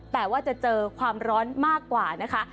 แต่ว่าจะเจอความร้อนมากกว่านะคะ